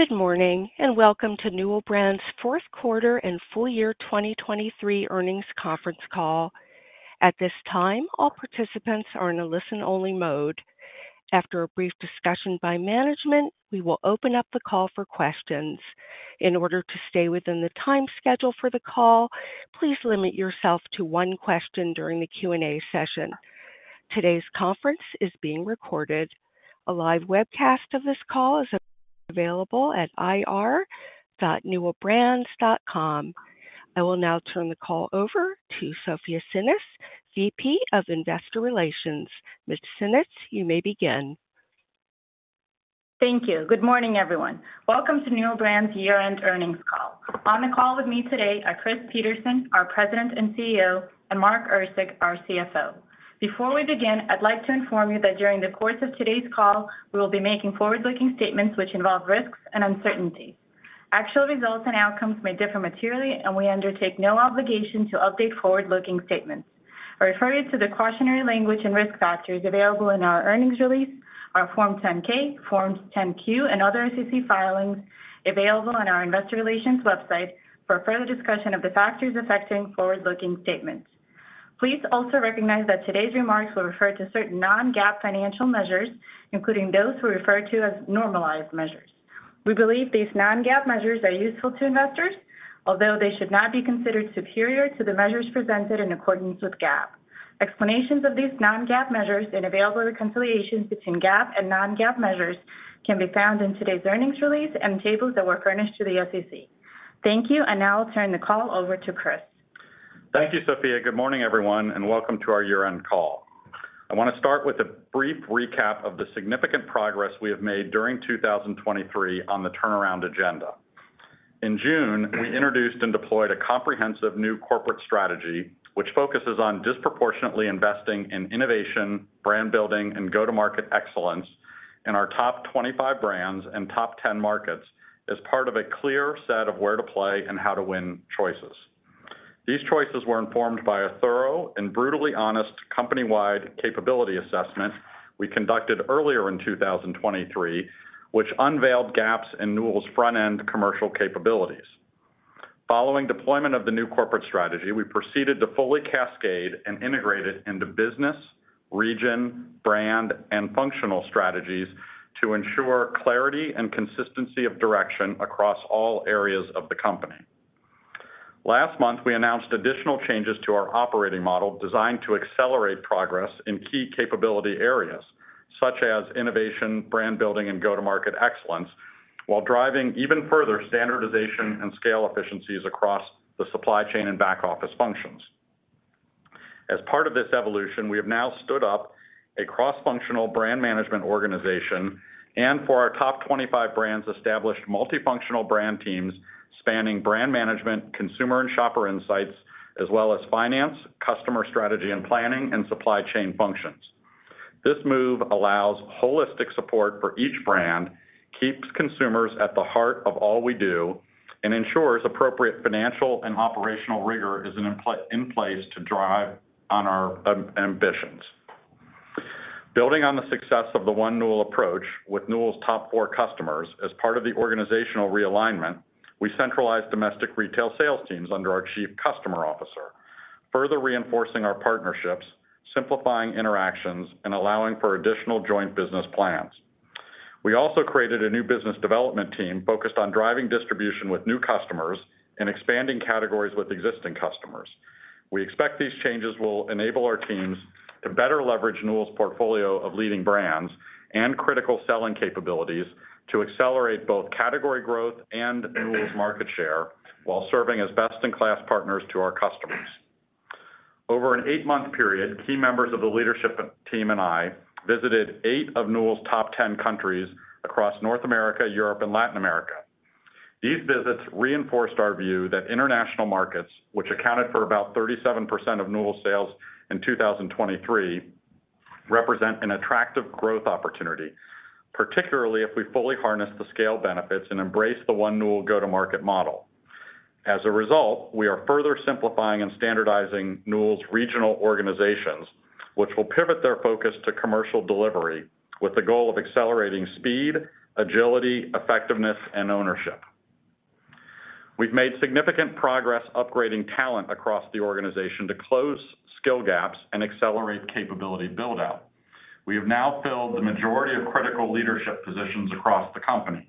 Good morning and welcome to Newell Brands' fourth quarter and full year 2023 earnings conference call. At this time, all participants are in a listen-only mode. After a brief discussion by management, we will open up the call for questions. In order to stay within the time schedule for the call, please limit yourself to one question during the Q&A session. Today's conference is being recorded. A live webcast of this call is available at ir.newellbrands.com. I will now turn the call over to Sofya Tsinis, VP of Investor Relations. Ms. Tsinis, you may begin. Thank you. Good morning, everyone. Welcome to Newell Brands' year-end earnings call. On the call with me today are Chris Peterson, our President and CEO, and Mark Erceg, our CFO. Before we begin, I'd like to inform you that during the course of today's call, we will be making forward-looking statements which involve risks and uncertainty. Actual results and outcomes may differ materially, and we undertake no obligation to update forward-looking statements. I refer you to the cautionary language and risk factors available in our earnings release, our Form 10-K, Forms 10-Q, and other SEC filings available on our Investor Relations website for further discussion of the factors affecting forward-looking statements. Please also recognize that today's remarks will refer to certain non-GAAP financial measures, including those we refer to as normalized measures. We believe these non-GAAP measures are useful to investors, although they should not be considered superior to the measures presented in accordance with GAAP. Explanations of these non-GAAP measures and available reconciliations between GAAP and non-GAAP measures can be found in today's earnings release and tables that were furnished to the SEC. Thank you, and now I'll turn the call over to Chris. Thank you, Sofya. Good morning, everyone, and welcome to our year-end call. I want to start with a brief recap of the significant progress we have made during 2023 on the turnaround agenda. In June, we introduced and deployed a comprehensive new corporate strategy which focuses on disproportionately investing in innovation, brand building, and go-to-market excellence in our top 25 brands and top 10 markets as part of a clear set of where to play and how to win choices. These choices were informed by a thorough and brutally honest company-wide capability assessment we conducted earlier in 2023, which unveiled gaps in Newell's front-end commercial capabilities. Following deployment of the new corporate strategy, we proceeded to fully cascade and integrate it into business, region, brand, and functional strategies to ensure clarity and consistency of direction across all areas of the company. Last month, we announced additional changes to our operating model designed to accelerate progress in key capability areas such as innovation, brand building, and go-to-market excellence while driving even further standardization and scale efficiencies across the supply chain and back-office functions. As part of this evolution, we have now stood up a cross-functional brand management organization and, for our top 25 brands, established multifunctional brand teams spanning brand management, consumer and shopper insights, as well as finance, customer strategy and planning, and supply chain functions. This move allows holistic support for each brand, keeps consumers at the heart of all we do, and ensures appropriate financial and operational rigor is in place to drive on our ambitions. Building on the success of the One Newell approach with Newell's top four customers as part of the organizational realignment, we centralized domestic retail sales teams under our Chief Customer Officer, further reinforcing our partnerships, simplifying interactions, and allowing for additional joint business plans. We also created a new business development team focused on driving distribution with new customers and expanding categories with existing customers. We expect these changes will enable our teams to better leverage Newell's portfolio of leading brands and critical selling capabilities to accelerate both category growth and Newell's market share while serving as best-in-class partners to our customers. Over an eight-month period, key members of the leadership team and I visited eight of Newell's top 10 countries across North America, Europe, and Latin America. These visits reinforced our view that international markets, which accounted for about 37% of Newell's sales in 2023, represent an attractive growth opportunity, particularly if we fully harness the scale benefits and embrace the One Newell go-to-market model. As a result, we are further simplifying and standardizing Newell's regional organizations, which will pivot their focus to commercial delivery with the goal of accelerating speed, agility, effectiveness, and ownership. We've made significant progress upgrading talent across the organization to close skill gaps and accelerate capability buildout. We have now filled the majority of critical leadership positions across the company.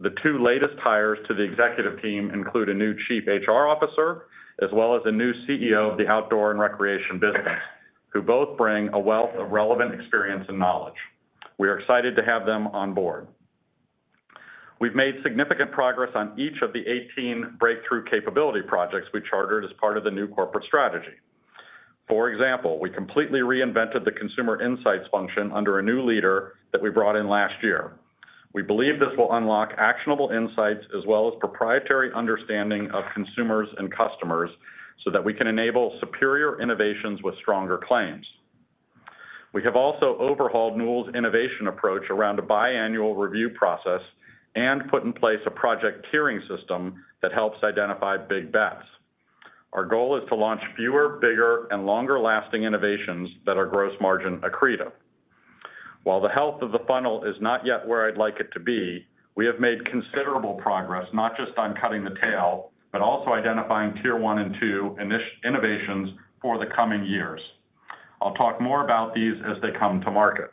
The two latest hires to the executive team include a new Chief HR Officer as well as a new CEO of the outdoor and recreation business, who both bring a wealth of relevant experience and knowledge. We are excited to have them on board. We've made significant progress on each of the 18 breakthrough capability projects we chartered as part of the new corporate strategy. For example, we completely reinvented the consumer insights function under a new leader that we brought in last year. We believe this will unlock actionable insights as well as proprietary understanding of consumers and customers so that we can enable superior innovations with stronger claims. We have also overhauled Newell's innovation approach around a biannual review process and put in place a project tiering system that helps identify big bets. Our goal is to launch fewer, bigger, and longer-lasting innovations that are gross margin accretive. While the health of the funnel is not yet where I'd like it to be, we have made considerable progress not just on cutting the tail but also identifying tier one and two innovations for the coming years. I'll talk more about these as they come to market.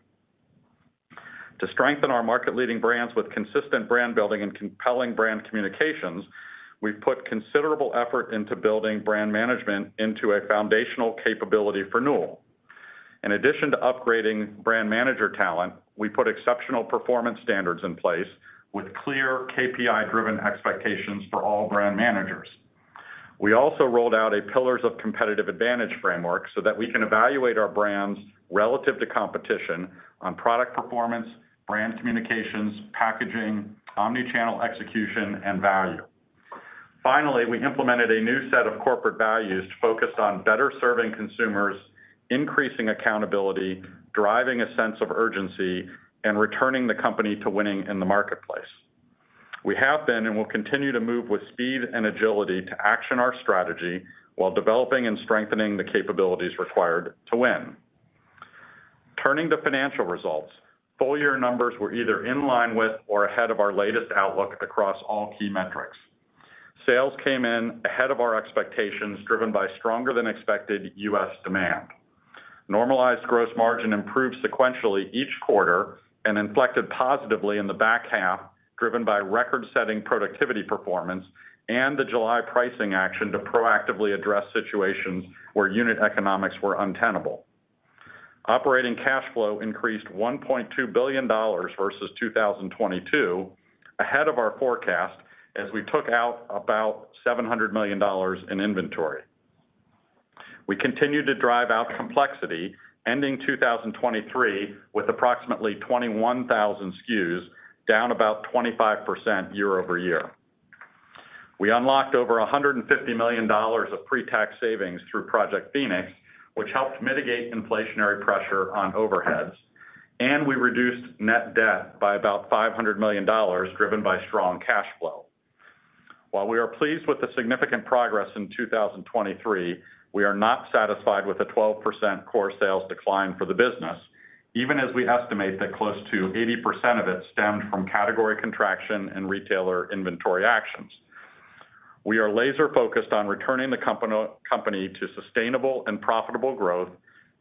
To strengthen our market-leading brands with consistent brand building and compelling brand communications, we've put considerable effort into building brand management into a foundational capability for Newell. In addition to upgrading brand manager talent, we put exceptional performance standards in place with clear KPI-driven expectations for all brand managers. We also rolled out a Pillars of Competitive Advantage framework so that we can evaluate our brands relative to competition on product performance, brand communications, packaging, omnichannel execution, and value. Finally, we implemented a new set of corporate values focused on better serving consumers, increasing accountability, driving a sense of urgency, and returning the company to winning in the marketplace. We have been and will continue to move with speed and agility to action our strategy while developing and strengthening the capabilities required to win. Turning to financial results, full-year numbers were either in line with or ahead of our latest outlook across all key metrics. Sales came in ahead of our expectations driven by stronger-than-expected U.S. demand. Normalized gross margin improved sequentially each quarter and inflected positively in the back half driven by record-setting productivity performance and the July pricing action to proactively address situations where unit economics were untenable. Operating cash flow increased $1.2 billion versus 2022 ahead of our forecast as we took out about $700 million in inventory. We continued to drive out complexity, ending 2023 with approximately 21,000 SKUs down about 25% year-over-year. We unlocked over $150 million of pre-tax savings through Project Phoenix, which helped mitigate inflationary pressure on overheads, and we reduced net debt by about $500 million driven by strong cash flow. While we are pleased with the significant progress in 2023, we are not satisfied with a 12% core sales decline for the business, even as we estimate that close to 80% of it stemmed from category contraction and retailer inventory actions. We are laser-focused on returning the company to sustainable and profitable growth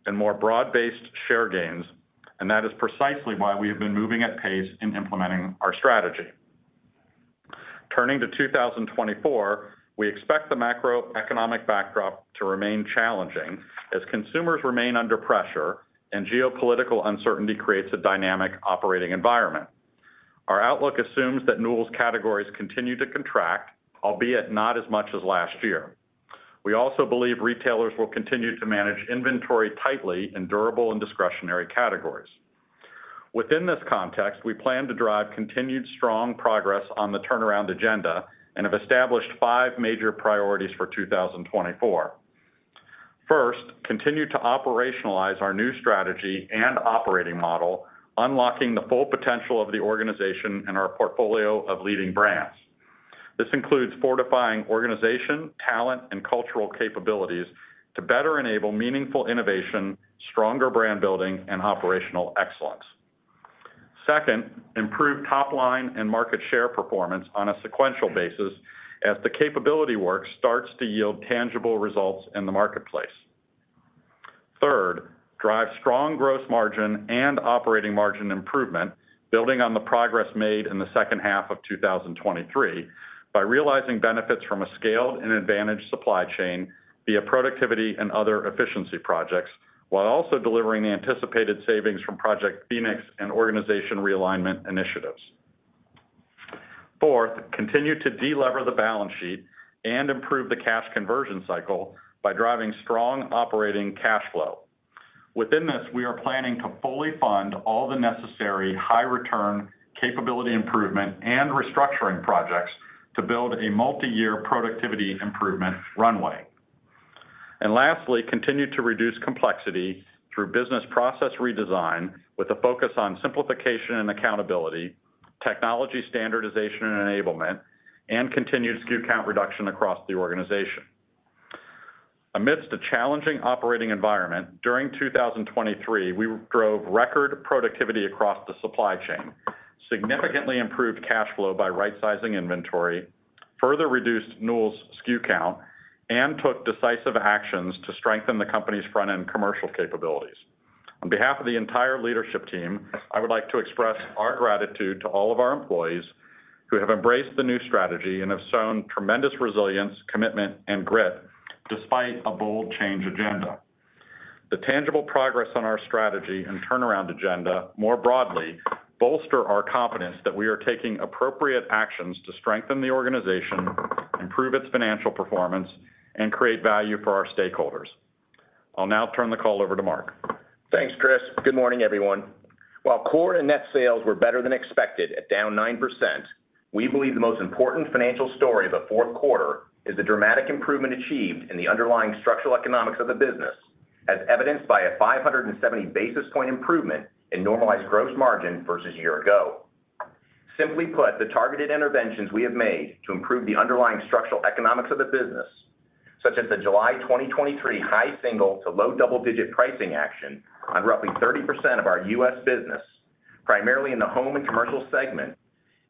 and more broad-based share gains, and that is precisely why we have been moving at pace in implementing our strategy. Turning to 2024, we expect the macroeconomic backdrop to remain challenging as consumers remain under pressure and geopolitical uncertainty creates a dynamic operating environment. Our outlook assumes that Newell's categories continue to contract, albeit not as much as last year. We also believe retailers will continue to manage inventory tightly in durable and discretionary categories. Within this context, we plan to drive continued strong progress on the turnaround agenda and have established five major priorities for 2024. First, continue to operationalize our new strategy and operating model, unlocking the full potential of the organization and our portfolio of leading brands. This includes fortifying organization, talent, and cultural capabilities to better enable meaningful innovation, stronger brand building, and operational excellence. Second, improve top-line and market share performance on a sequential basis as the capability work starts to yield tangible results in the marketplace. Third, drive strong gross margin and operating margin improvement building on the progress made in the second half of 2023 by realizing benefits from a scaled and advantaged supply chain via productivity and other efficiency projects while also delivering the anticipated savings from Project Phoenix and organization realignment initiatives. Fourth, continue to de-lever the balance sheet and improve the cash conversion cycle by driving strong operating cash flow. Within this, we are planning to fully fund all the necessary high-return capability improvement and restructuring projects to build a multi-year productivity improvement runway. And lastly, continue to reduce complexity through business process redesign with a focus on simplification and accountability, technology standardization and enablement, and continued SKU count reduction across the organization. Amidst a challenging operating environment, during 2023, we drove record productivity across the supply chain, significantly improved cash flow by right-sizing inventory, further reduced Newell's SKU count, and took decisive actions to strengthen the company's front-end commercial capabilities. On behalf of the entire leadership team, I would like to express our gratitude to all of our employees who have embraced the new strategy and have shown tremendous resilience, commitment, and grit despite a bold change agenda. The tangible progress on our strategy and turnaround agenda, more broadly, bolster our confidence that we are taking appropriate actions to strengthen the organization, improve its financial performance, and create value for our stakeholders. I'll now turn the call over to Mark. Thanks, Chris. Good morning, everyone. While core and net sales were better than expected at down 9%, we believe the most important financial story of the fourth quarter is the dramatic improvement achieved in the underlying structural economics of the business as evidenced by a 570 basis point improvement in normalized gross margin versus year-ago. Simply put, the targeted interventions we have made to improve the underlying structural economics of the business, such as the July 2023 high single- to low double-digit pricing action on roughly 30% of our U.S. business, primarily in the home and commercial segment,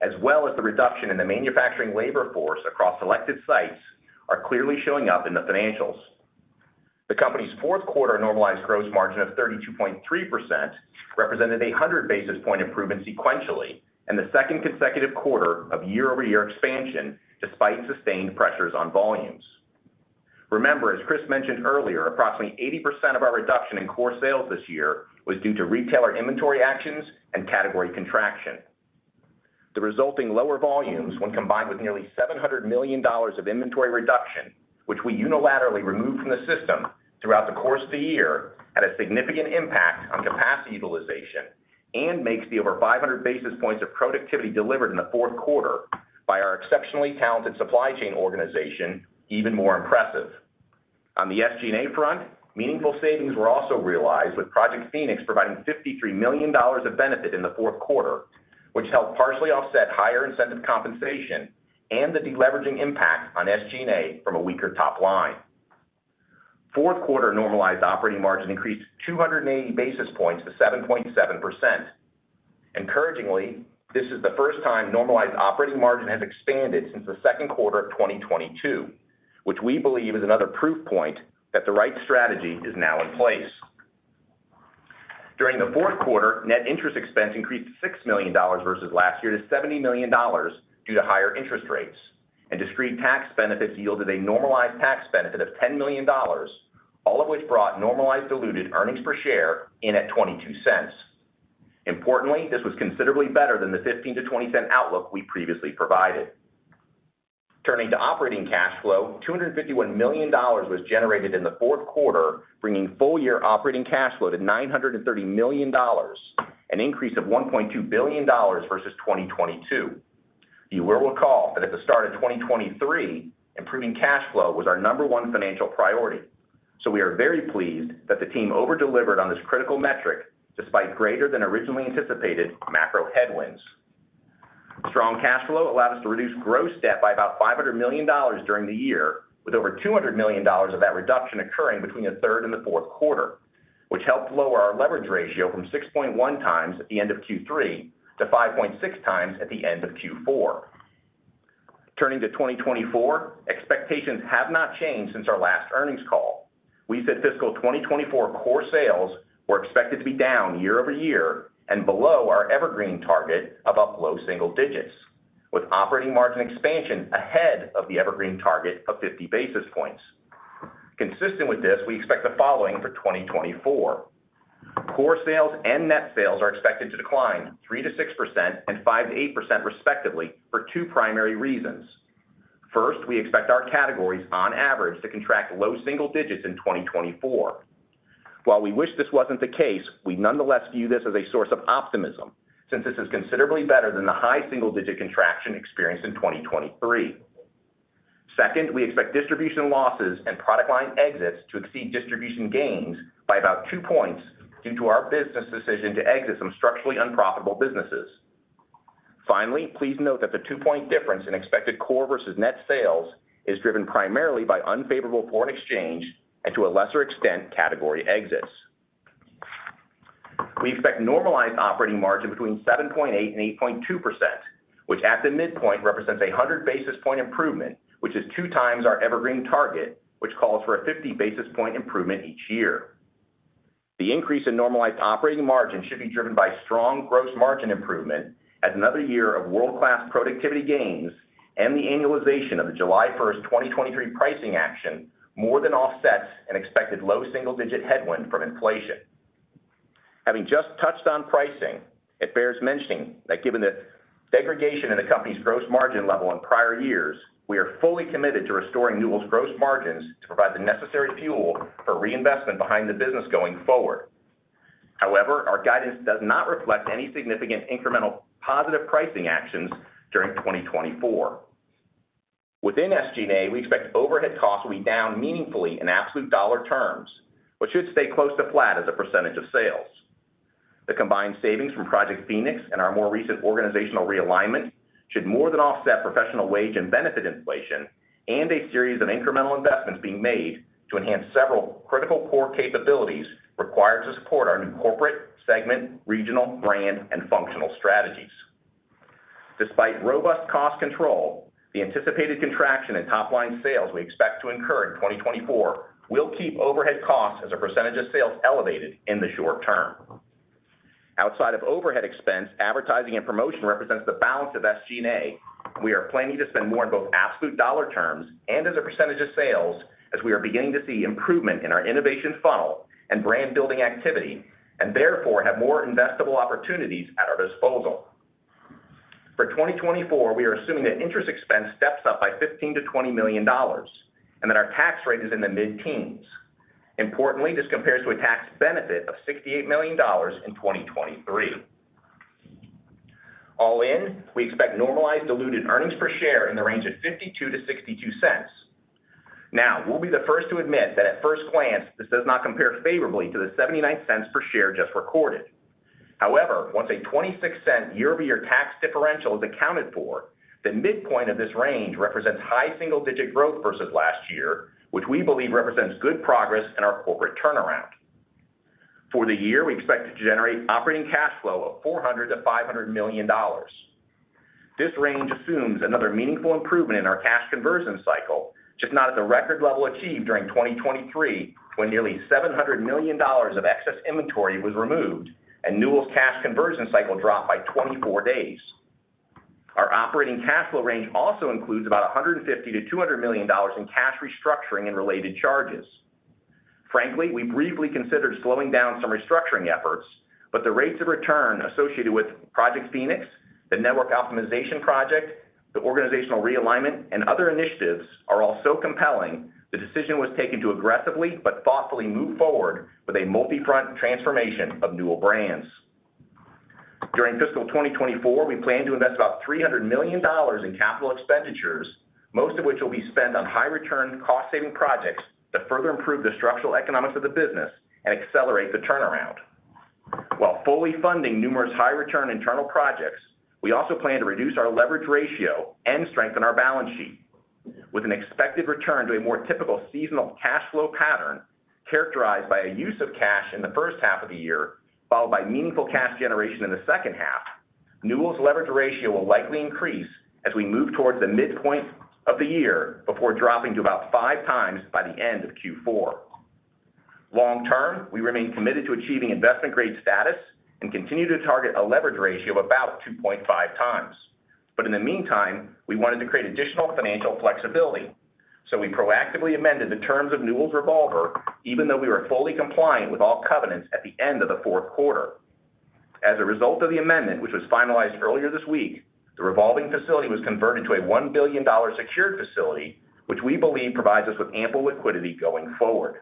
as well as the reduction in the manufacturing labor force across selected sites, are clearly showing up in the financials. The company's fourth quarter normalized gross margin of 32.3% represented a 100 basis point improvement sequentially and the second consecutive quarter of year-over-year expansion despite sustained pressures on volumes. Remember, as Chris mentioned earlier, approximately 80% of our reduction in core sales this year was due to retailer inventory actions and category contraction. The resulting lower volumes, when combined with nearly $700 million of inventory reduction, which we unilaterally removed from the system throughout the course of the year, had a significant impact on capacity utilization and makes the over 500 basis points of productivity delivered in the fourth quarter by our exceptionally talented supply chain organization even more impressive. On the SG&A front, meaningful savings were also realized with Project Phoenix providing $53 million of benefit in the fourth quarter, which helped partially offset higher incentive compensation and the de-leveraging impact on SG&A from a weaker top line. Fourth quarter normalized operating margin increased 280 basis points to 7.7%. Encouragingly, this is the first time normalized operating margin has expanded since the second quarter of 2022, which we believe is another proof point that the right strategy is now in place. During the fourth quarter, net interest expense increased $6 million versus last year to $70 million due to higher interest rates, and discrete tax benefits yielded a normalized tax benefit of $10 million, all of which brought normalized diluted earnings per share in at $0.22. Importantly, this was considerably better than the $0.15-$0.20 outlook we previously provided. Turning to operating cash flow, $251 million was generated in the fourth quarter, bringing full-year operating cash flow to $930 million, an increase of $1.2 billion versus 2022. You will recall that at the start of 2023, improving cash flow was our number one financial priority. We are very pleased that the team overdelivered on this critical metric despite greater than originally anticipated macro headwinds. Strong cash flow allowed us to reduce gross debt by about $500 million during the year, with over $200 million of that reduction occurring between the third and the fourth quarter, which helped lower our leverage ratio from 6.1 times at the end of Q3 to 5.6 times at the end of Q4. Turning to 2024, expectations have not changed since our last earnings call. We said fiscal 2024 core sales were expected to be down year-over-year and below our evergreen target of up low single digits, with operating margin expansion ahead of the evergreen target of 50 basis points. Consistent with this, we expect the following for 2024. Core sales and net sales are expected to decline 3%-6% and 5%-8% respectively for two primary reasons. First, we expect our categories on average to contract low single digits in 2024. While we wish this wasn't the case, we nonetheless view this as a source of optimism since this is considerably better than the high single-digit contraction experienced in 2023. Second, we expect distribution losses and product line exits to exceed distribution gains by about two points due to our business decision to exit some structurally unprofitable businesses. Finally, please note that the two-point difference in expected core versus net sales is driven primarily by unfavorable foreign exchange and to a lesser extent category exits. We expect normalized operating margin 7.8%-8.2%, which at the midpoint represents a 100 basis point improvement, which is two times our evergreen target, which calls for a 50 basis point improvement each year. The increase in normalized operating margin should be driven by strong gross margin improvement as another year of world-class productivity gains, and the annualization of the July 1st, 2023 pricing action more than offsets an expected low single-digit headwind from inflation. Having just touched on pricing, it bears mentioning that given the degradation in the company's gross margin level in prior years, we are fully committed to restoring Newell's gross margins to provide the necessary fuel for reinvestment behind the business going forward. However, our guidance does not reflect any significant incremental positive pricing actions during 2024. Within SG&A, we expect overhead costs to be down meaningfully in absolute dollar terms, which should stay close to flat as a percentage of sales. The combined savings from Project Phoenix and our more recent organizational realignment should more than offset professional wage and benefit inflation and a series of incremental investments being made to enhance several critical core capabilities required to support our new corporate segment, regional, brand, and functional strategies. Despite robust cost control, the anticipated contraction in top-line sales we expect to incur in 2024 will keep overhead costs as a percentage of sales elevated in the short term. Outside of overhead expense, advertising and promotion represents the balance of SG&A. We are planning to spend more in both absolute dollar terms and as a percentage of sales as we are beginning to see improvement in our innovation funnel and brand building activity and therefore have more investable opportunities at our disposal. For 2024, we are assuming that interest expense steps up by $15-$20 million and that our tax rate is in the mid-teens. Importantly, this compares to a tax benefit of $68 million in 2023. All in, we expect normalized diluted earnings per share in the range of $0.52-$0.62. Now, we'll be the first to admit that at first glance, this does not compare favorably to the $0.79 per share just recorded. However, once a $0.26 year-over-year tax differential is accounted for, the midpoint of this range represents high single-digit growth versus last year, which we believe represents good progress in our corporate turnaround. For the year, we expect to generate operating cash flow of $400-$500 million. This range assumes another meaningful improvement in our cash conversion cycle, just not at the record level achieved during 2023 when nearly $700 million of excess inventory was removed and Newell's cash conversion cycle dropped by 24 days. Our operating cash flow range also includes about $150-$200 million in cash restructuring and related charges. Frankly, we briefly considered slowing down some restructuring efforts, but the rates of return associated with Project Phoenix, the network optimization project, the organizational realignment, and other initiatives are all so compelling, the decision was taken to aggressively but thoughtfully move forward with a multi-front transformation of Newell Brands. During fiscal 2024, we plan to invest about $300 million in capital expenditures, most of which will be spent on high-return cost-saving projects to further improve the structural economics of the business and accelerate the turnaround. While fully funding numerous high-return internal projects, we also plan to reduce our leverage ratio and strengthen our balance sheet. With an expected return to a more typical seasonal cash flow pattern characterized by a use of cash in the first half of the year followed by meaningful cash generation in the second half, Newell's leverage ratio will likely increase as we move towards the midpoint of the year before dropping to about five times by the end of Q4. Long term, we remain committed to achieving investment-grade status and continue to target a leverage ratio of about 2.5 times. But in the meantime, we wanted to create additional financial flexibility. We proactively amended the terms of Newell's revolver even though we were fully compliant with all covenants at the end of the fourth quarter. As a result of the amendment, which was finalized earlier this week, the revolving facility was converted to a $1 billion secured facility, which we believe provides us with ample liquidity going forward.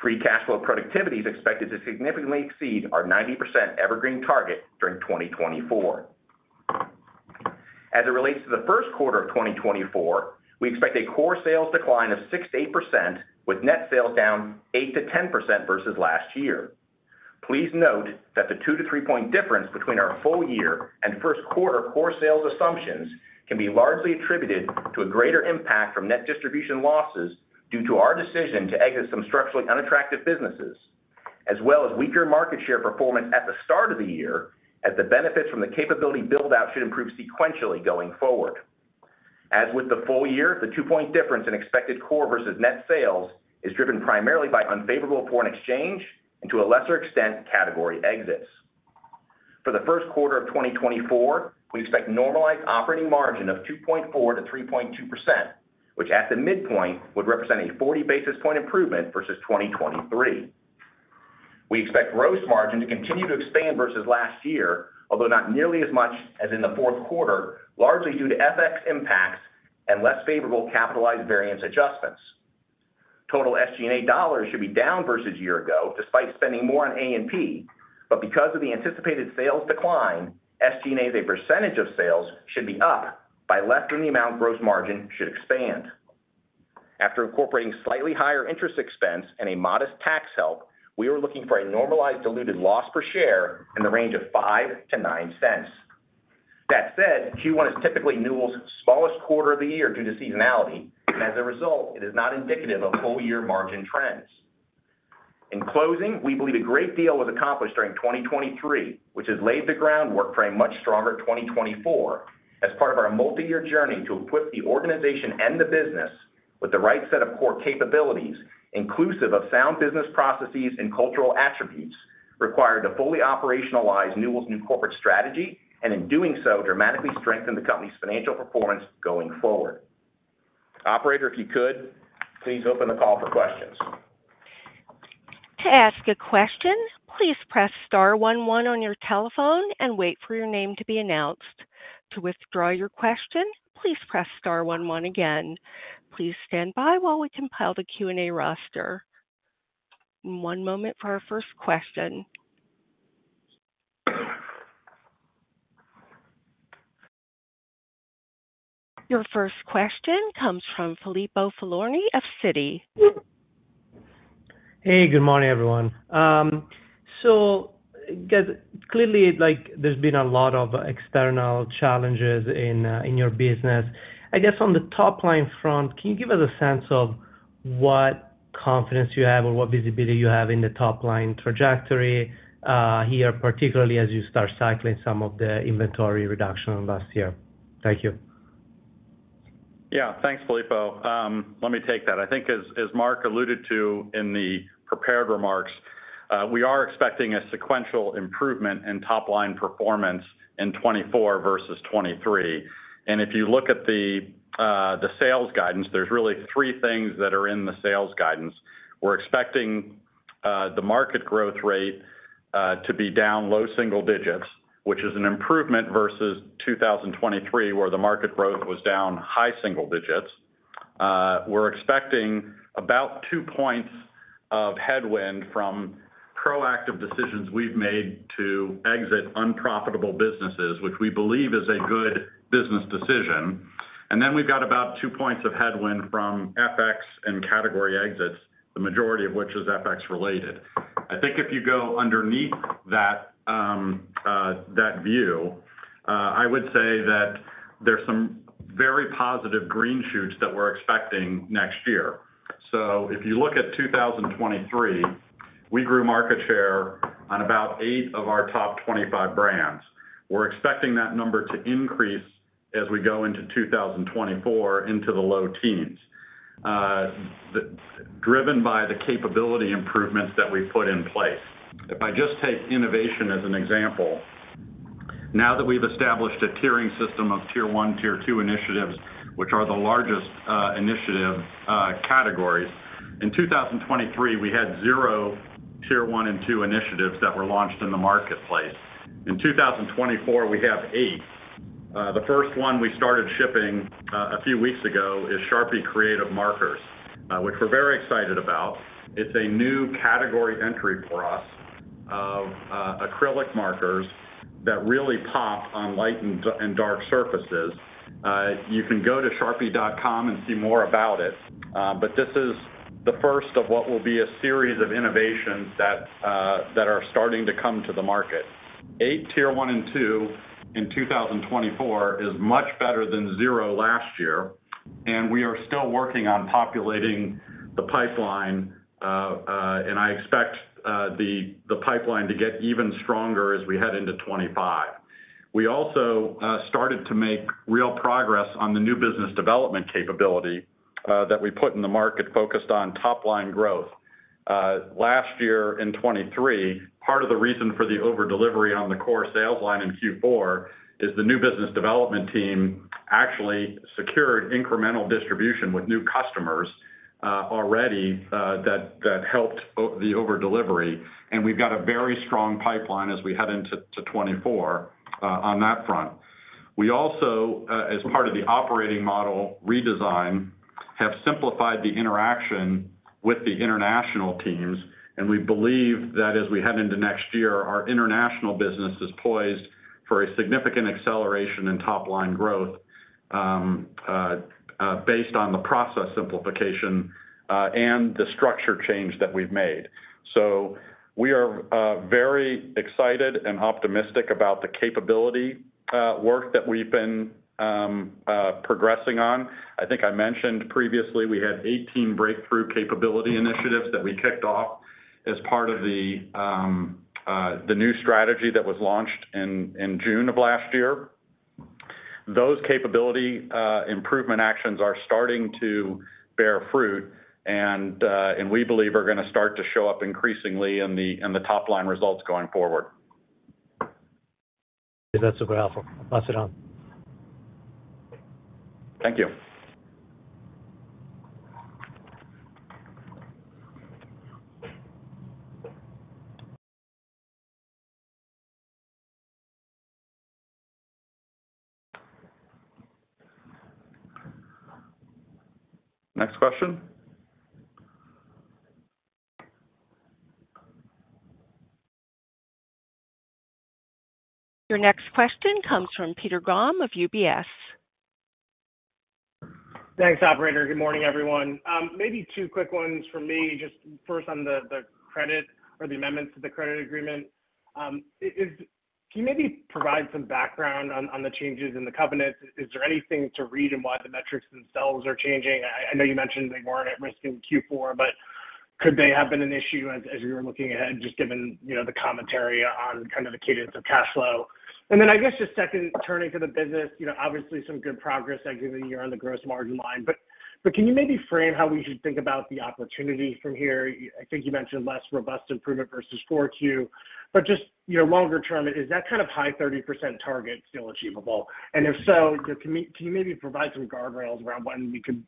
Free cash flow productivity is expected to significantly exceed our 90% evergreen target during 2024. As it relates to the first quarter of 2024, we expect a core sales decline of 6%-8% with net sales down 8%-10% versus last year. Please note that the 2-3-point difference between our full year and first quarter core sales assumptions can be largely attributed to a greater impact from net distribution losses due to our decision to exit some structurally unattractive businesses, as well as weaker market share performance at the start of the year as the benefits from the capability buildout should improve sequentially going forward. As with the full year, the 2-point difference in expected core versus net sales is driven primarily by unfavorable foreign exchange and to a lesser extent category exits. For the first quarter of 2024, we expect normalized operating margin of 2.4%-3.2%, which at the midpoint would represent a 40 basis point improvement versus 2023. We expect gross margin to continue to expand versus last year, although not nearly as much as in the fourth quarter, largely due to FX impacts and less favorable capitalized variance adjustments. Total SG&A dollars should be down versus year-ago despite spending more on A&P, but because of the anticipated sales decline, SG&A's percentage of sales should be up by less than the amount gross margin should expand. After incorporating slightly higher interest expense and a modest tax help, we are looking for a normalized diluted loss per share in the range of $0.05-$0.09. That said, Q1 is typically Newell's smallest quarter of the year due to seasonality, and as a result, it is not indicative of full-year margin trends. In closing, we believe a great deal was accomplished during 2023, which has laid the groundwork for a much stronger 2024 as part of our multi-year journey to equip the organization and the business with the right set of core capabilities inclusive of sound business processes and cultural attributes required to fully operationalize Newell's new corporate strategy and in doing so dramatically strengthen the company's financial performance going forward. Operator, if you could, please open the call for questions. To ask a question, please press star one one on your telephone and wait for your name to be announced. To withdraw your question, please press star one one again. Please stand by while we compile the Q&A roster. One moment for our first question. Your first question comes from Filippo Falorni of Citi. Hey, good morning, everyone. So clearly, there's been a lot of external challenges in your business. I guess on the top line front, can you give us a sense of what confidence you have or what visibility you have in the top line trajectory here, particularly as you start cycling some of the inventory reduction last year? Thank you. Yeah, thanks, Filippo. Let me take that. I think as Mark alluded to in the prepared remarks, we are expecting a sequential improvement in top line performance in 2024 versus 2023. If you look at the sales guidance, there's really three things that are in the sales guidance. We're expecting the market growth rate to be down low single digits, which is an improvement versus 2023 where the market growth was down high single digits. We're expecting about two points of headwind from proactive decisions we've made to exit unprofitable businesses, which we believe is a good business decision. And then we've got about two points of headwind from FX and category exits, the majority of which is FX-related. I think if you go underneath that view, I would say that there's some very positive green shoots that we're expecting next year. So if you look at 2023, we grew market share on about eight of our top 25 brands. We're expecting that number to increase as we go into 2024 into the low teens, driven by the capability improvements that we put in place. If I just take innovation as an example, now that we've established a tiering system of tier one, tier two initiatives, which are the largest initiative categories, in 2023, we had zero tier one and two initiatives that were launched in the marketplace. In 2024, we have eight. The first one we started shipping a few weeks ago is Sharpie Creative Markers, which we're very excited about. It's a new category entry for us of acrylic markers that really pop on light and dark surfaces. You can go to Sharpie.com and see more about it, but this is the first of what will be a series of innovations that are starting to come to the market. eight tier one and two in 2024 is much better than 0 last year, and we are still working on populating the pipeline, and I expect the pipeline to get even stronger as we head into 2025. We also started to make real progress on the new business development capability that we put in the market focused on top line growth. Last year in 2023, part of the reason for the overdelivery on the Core Sales line in Q4 is the new business development team actually secured incremental distribution with new customers already that helped the overdelivery, and we've got a very strong pipeline as we head into 2024 on that front. We also, as part of the operating model redesign, have simplified the interaction with the international teams, and we believe that as we head into next year, our international business is poised for a significant acceleration in top line growth based on the process simplification and the structure change that we've made. So we are very excited and optimistic about the capability work that we've been progressing on. I think I mentioned previously we had 18 breakthrough capability initiatives that we kicked off as part of the new strategy that was launched in June of last year. Those capability improvement actions are starting to bear fruit, and we believe are going to start to show up increasingly in the top line results going forward. That's super helpful. Pass it on. Thank you. Next question. Your next question comes from Peter Grom of UBS. Thanks, Operator. Good morning, everyone. Maybe two quick ones from me. Just first on the credit or the amendments to the credit agreement. Can you maybe provide some background on the changes in the covenants? Is there anything to read in why the metrics themselves are changing? I know you mentioned they weren't at risk in Q4, but could they have been an issue as you were looking ahead just given the commentary on kind of the cadence of cash flow? And then I guess just second, turning to the business, obviously some good progress given that you're on the gross margin line, but can you maybe frame how we should think about the opportunity from here? I think you mentioned less robust improvement versus 4Q, but just longer term, is that kind of high 30% target still achievable? If so, can you maybe provide some guardrails around when we could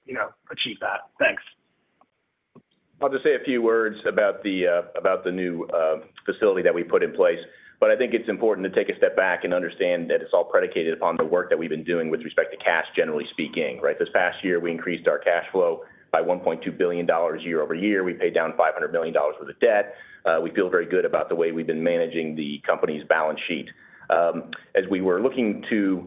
achieve that? Thanks. I'll just say a few words about the new facility that we put in place, but I think it's important to take a step back and understand that it's all predicated upon the work that we've been doing with respect to cash, generally speaking, right? This past year, we increased our cash flow by $1.2 billion year-over-year. We paid down $500 million worth of debt. We feel very good about the way we've been managing the company's balance sheet. As we were looking to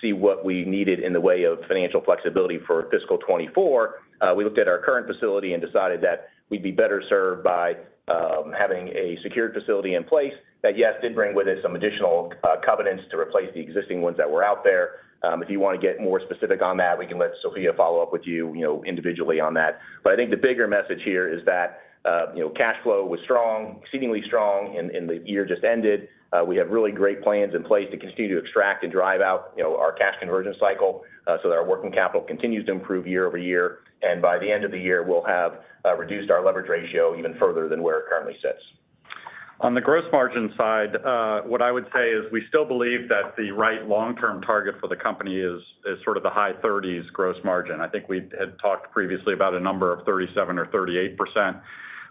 see what we needed in the way of financial flexibility for fiscal 2024, we looked at our current facility and decided that we'd be better served by having a secured facility in place that, yes, did bring with it some additional covenants to replace the existing ones that were out there. If you want to get more specific on that, we can let Sofya follow up with you individually on that. But I think the bigger message here is that cash flow was strong, exceedingly strong in the year just ended. We have really great plans in place to continue to extract and drive out our cash conversion cycle so that our working capital continues to improve year-over-year. By the end of the year, we'll have reduced our leverage ratio even further than where it currently sits. On the gross margin side, what I would say is we still believe that the right long-term target for the company is sort of the high 30s gross margin. I think we had talked previously about a number of 37% or 38%.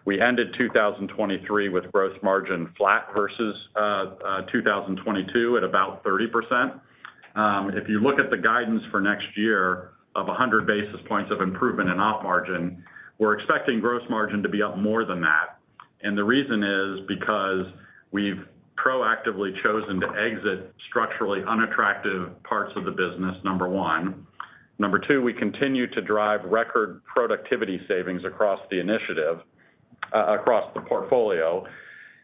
We ended 2023 with gross margin flat versus 2022 at about 30%. If you look at the guidance for next year of 100 basis points of improvement in op margin, we're expecting gross margin to be up more than that. And the reason is because we've proactively chosen to exit structurally unattractive parts of the business, number one. Number two, we continue to drive record productivity savings across the initiative, across the portfolio.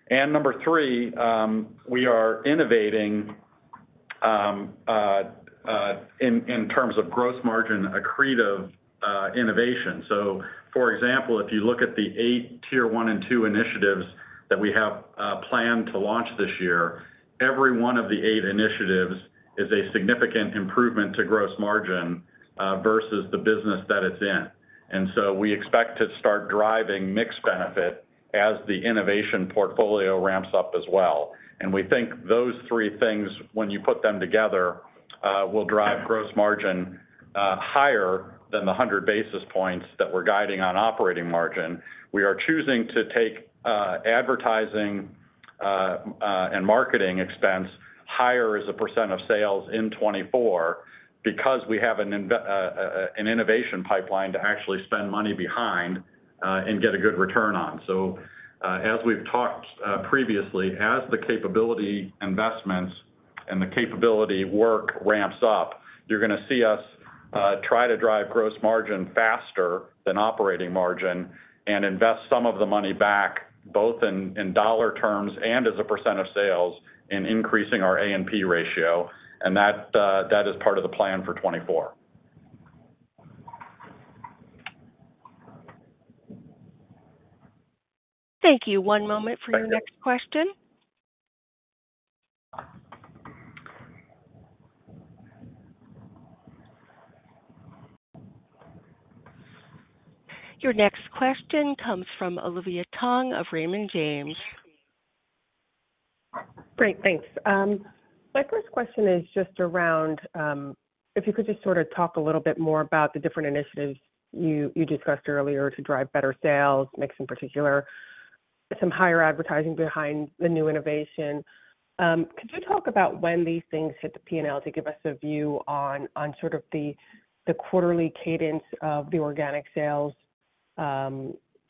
And number three, we are innovating in terms of gross margin accretive innovation. So for example, if you look at the eight tier one and two initiatives that we have planned to launch this year, every one of the eight initiatives is a significant improvement to gross margin versus the business that it's in. And so we expect to start driving mixed benefit as the innovation portfolio ramps up as well. And we think those three things, when you put them together, will drive gross margin higher than the 100 basis points that we're guiding on operating margin. We are choosing to take advertising and marketing expense higher as a % of sales in 2024 because we have an innovation pipeline to actually spend money behind and get a good return on. As we've talked previously, as the capability investments and the capability work ramps up, you're going to see us try to drive gross margin faster than operating margin and invest some of the money back both in dollar terms and as a % of sales in increasing our A&P ratio. That is part of the plan for 2024. Thank you. One moment for your next question. Your next question comes from Olivia Tong of Raymond James. Great. Thanks. My first question is just around if you could just sort of talk a little bit more about the different initiatives you discussed earlier to drive better sales, mix in particular, some higher advertising behind the new innovation. Could you talk about when these things hit the P&L to give us a view on sort of the quarterly cadence of the organic sales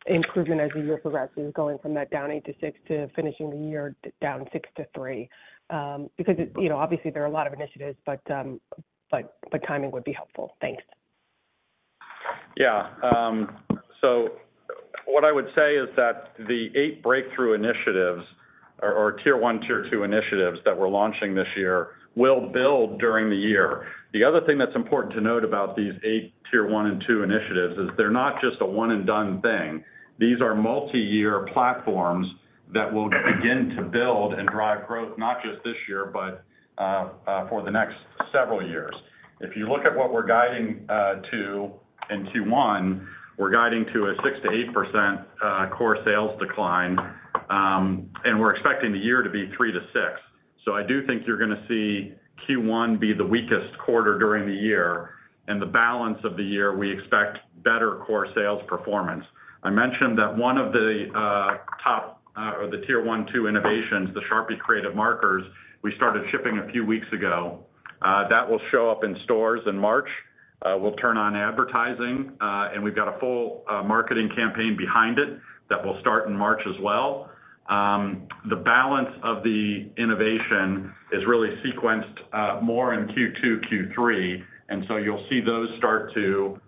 improvement as the year progresses, going from that down eight to six to finishing the year down six to three? Because obviously, there are a lot of initiatives, but timing would be helpful. Thanks. Yeah. So what I would say is that the eight breakthrough initiatives or tier one, tier two initiatives that we're launching this year will build during the year. The other thing that's important to note about these eight tier one and two initiatives is they're not just a one-and-done thing. These are multi-year platforms that will begin to build and drive growth, not just this year, but for the next several years. If you look at what we're guiding to in Q1, we're guiding to a 6%-8% Core Sales decline, and we're expecting the year to be 3%-6%. So I do think you're going to see Q1 be the weakest quarter during the year. In the balance of the year, we expect better Core Sales performance. I mentioned that one of the top or the tier one, two innovations, the Sharpie Creative Markers, we started shipping a few weeks ago. That will show up in stores in March. We'll turn on advertising, and we've got a full marketing campaign behind it that will start in March as well. The balance of the innovation is really sequenced more in Q2, Q3, and so you'll see those start to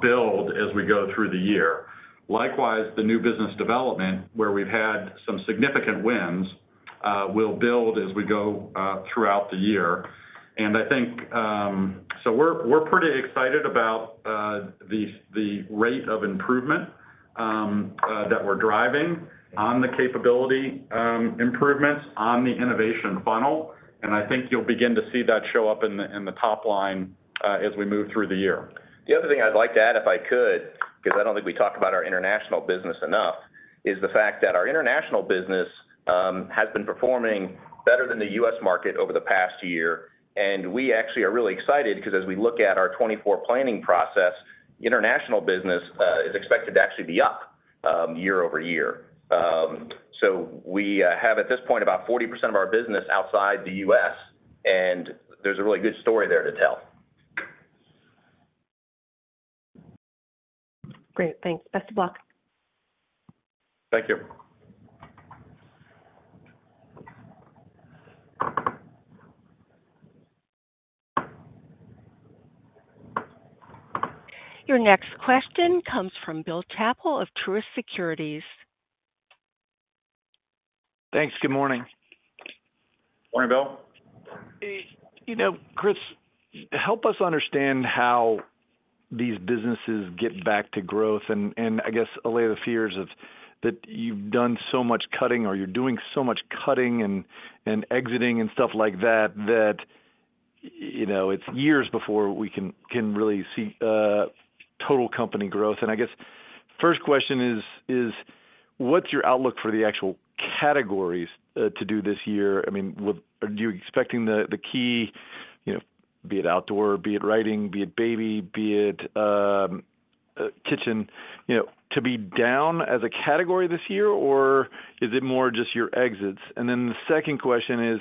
build as we go through the year. Likewise, the new business development, where we've had some significant wins, will build as we go throughout the year. And I think so we're pretty excited about the rate of improvement that we're driving on the capability improvements on the innovation funnel. And I think you'll begin to see that show up in the top line as we move through the year. The other thing I'd like to add, if I could, because I don't think we talk about our international business enough, is the fact that our international business has been performing better than the U.S. market over the past year. And we actually are really excited because as we look at our 2024 planning process, international business is expected to actually be up year-over-year. So we have, at this point, about 40% of our business outside the U.S., and there's a really good story there to tell. Great. Thanks. Best of luck. Thank you. Your next question comes from Bill Chappell of Truist Securities. Thanks. Good morning. Morning, Bill. Chris, help us understand how these businesses get back to growth. I guess a layer of the fears is that you've done so much cutting or you're doing so much cutting and exiting and stuff like that that it's years before we can really see total company growth. I guess first question is, what's your outlook for the actual categories to do this year? I mean, are you expecting the key, be it outdoor, be it writing, be it baby, be it kitchen, to be down as a category this year, or is it more just your exits? The second question is,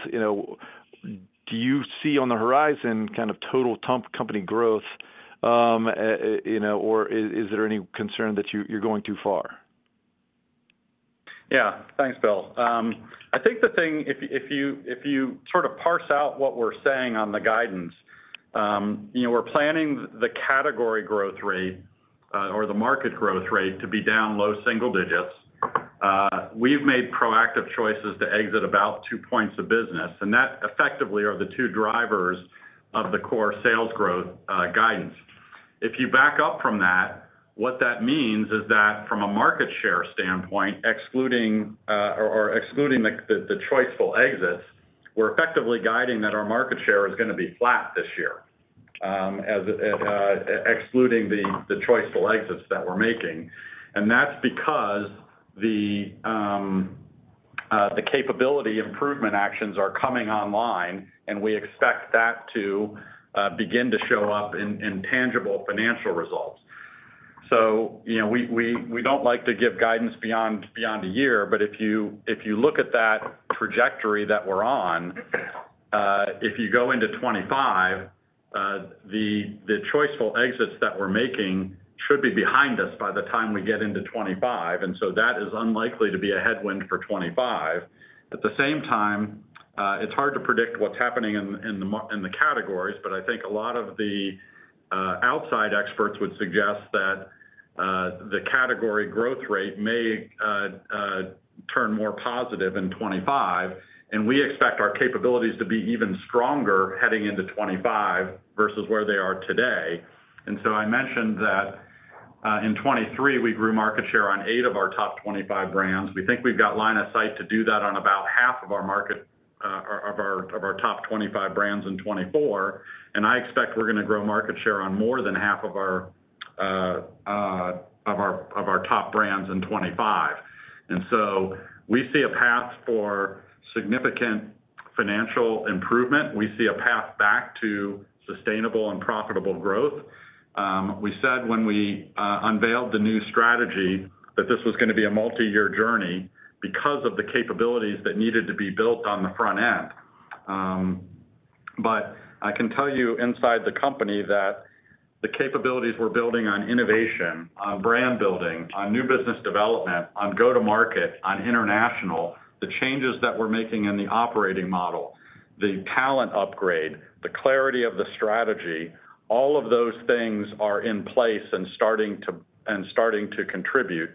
do you see on the horizon kind of total company growth, or is there any concern that you're going too far? Yeah. Thanks, Bill. I think the thing, if you sort of parse out what we're saying on the guidance, we're planning the category growth rate or the market growth rate to be down low single digits. We've made proactive choices to exit about two points of business, and that effectively are the two drivers of the core sales growth guidance. If you back up from that, what that means is that from a market share standpoint, excluding the choiceful exits, we're effectively guiding that our market share is going to be flat this year, excluding the choiceful exits that we're making. And that's because the capability improvement actions are coming online, and we expect that to begin to show up in tangible financial results. So we don't like to give guidance beyond a year, but if you look at that trajectory that we're on, if you go into 2025, the choiceful exits that we're making should be behind us by the time we get into 2025. And so that is unlikely to be a headwind for 2025. At the same time, it's hard to predict what's happening in the categories, but I think a lot of the outside experts would suggest that the category growth rate may turn more positive in 2025, and we expect our capabilities to be even stronger heading into 2025 versus where they are today. And so I mentioned that in 2023, we grew market share on eight of our top 25 brands. We think we've got line of sight to do that on about half of our market of our top 25 brands in 2024, and I expect we're going to grow market share on more than half of our top brands in 2025. And so we see a path for significant financial improvement. We see a path back to sustainable and profitable growth. We said when we unveiled the new strategy that this was going to be a multi-year journey because of the capabilities that needed to be built on the front end. But I can tell you inside the company that the capabilities we're building on innovation, on brand building, on new business development, on go-to-market, on international, the changes that we're making in the operating model, the talent upgrade, the clarity of the strategy, all of those things are in place and starting to contribute.